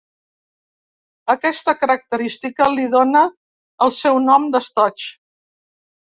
Aquesta característica li dóna el seu nom d'estoig.